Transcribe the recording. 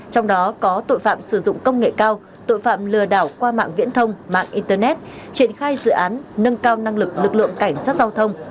trong đó có tội phạm sử dụng công nghệ cao tội phạm lừa đảo qua mạng viễn thông mạng internet triển khai dự án nâng cao năng lực lực lượng cảnh sát giao thông